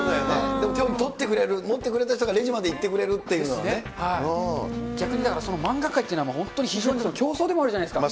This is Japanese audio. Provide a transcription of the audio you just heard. でも手に取ってくれる、持ってくれた人がレジまで行ってくれるっ逆にだから、漫画界というのは、本当に非常に競争でもあるじゃないですか。